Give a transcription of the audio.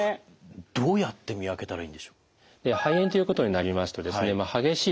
どうやって見分けたらいいんでしょう？